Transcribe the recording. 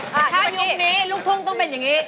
ถ้ายุคนี้ลูกทุ่งต้องเป็นอย่างนี้